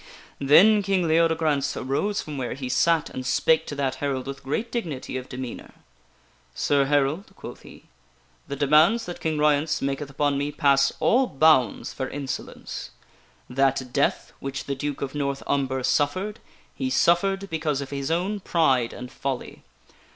Then King Leodegrance arose from where he sat and spake to that herald with great dignity of demeanor. " Sir Herald," quoth he, " the demands that King Ryence maketh upon me pass all bounds for insolence. That death which the Duke of North Umber suffered, he suffered because of his own pride and folly.